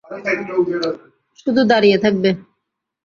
শুধু দাঁড়িয়ে থাকবে।